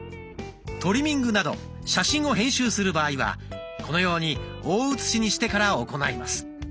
トリミングなど写真を編集する場合はこのように大写しにしてから行います。